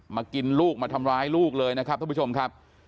กินลูกมาทำร้ายลูกเลยนะครับท่านผู้ชมครับ